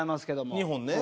２本ね。